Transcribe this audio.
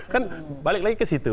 kan balik lagi ke situ